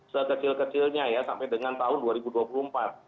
sekecil kecilnya ya sampai dengan tahun dua ribu dua puluh empat